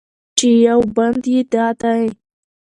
چې یو بند یې دا دی: